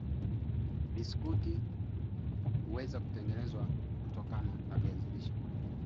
Idadi ya wanyama wanaoathirika hutofautiana kulingana na wingi wa kupe maambukizi ya hapo awali